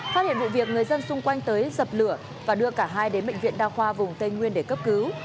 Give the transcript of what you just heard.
phát hiện vụ việc người dân xung quanh tới dập lửa và đưa cả hai đến bệnh viện đa khoa vùng tây nguyên để cấp cứu